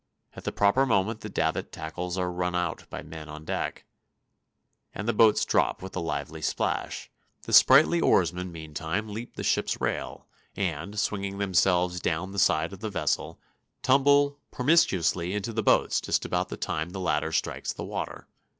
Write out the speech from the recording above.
At the proper moment the davit tackles are run out by men on deck, and the boats drop with a lively splash; the sprightly oarsmen meantime leap the ship's rail, and, swinging themselves down the side of the vessel, tumble promiscuously into the boats just about the time the latter strike the water.